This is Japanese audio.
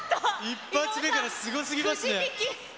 １発目からすごすぎますね。